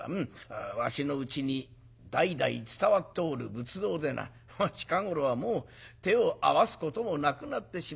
わしのうちに代々伝わっておる仏像でな近頃はもう手を合わすこともなくなってしまった。